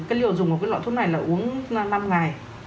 cái liều dùng của loại thuốc này là uống năm ngày